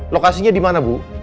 lokasinya di mana bu